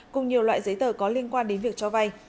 cùng nhiều loại giấy tờ có liên quan đến việc cho vay